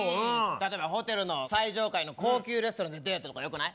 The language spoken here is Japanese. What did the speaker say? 例えばホテルの最上階の高級レストランでデートとかよくない？